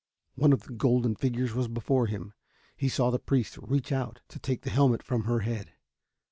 One of the golden figures was before him. He saw the priest reach out to take the helmet from her head.